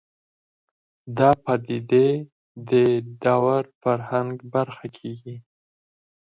دا پدیدې د دور فرهنګ برخه کېږي